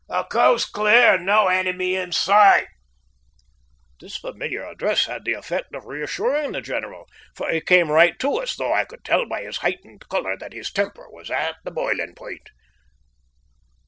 The coast's clear, and no enemy in sight." This familiar address had the effect of reassuring the general, for he came right for us, though I could tell by his heightened colour that his temper was at boiling point.